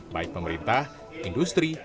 baik pemerintah industri